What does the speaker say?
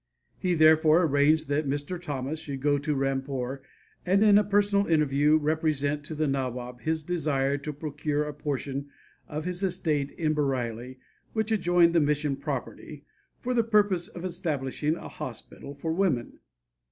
He therefore arranged that Mr. Thomas should go to Rampore and in a personal interview represent to the Nawab his desire to procure a portion of his estate in Bareilly which adjoined the mission property, for the purpose of establishing a hospital for women.